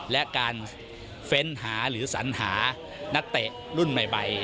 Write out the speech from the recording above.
และการเฟ้นหาหรือสัญหานักเตะรุ่นใหม่